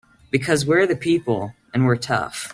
Because we're the people and we're tough!